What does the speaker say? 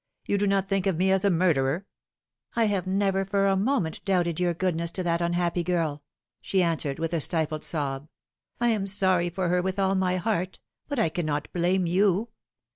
You do not think of me as a murderer ?"" I have never for a moment doubted your goodness to that unhappy girl," she answered, with a stifled sob. " I am sorry for her with all my heart ; but I cannot blame you."